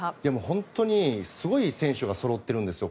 本当にすごい選手がそろってるんですよ